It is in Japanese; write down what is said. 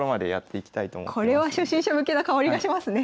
これは初心者向けな香りがしますね。